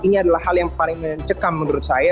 ini adalah hal yang paling mencekam menurut saya